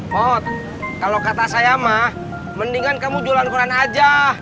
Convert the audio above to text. pot kalau kata saya mah mendingan kamu jualan quran aja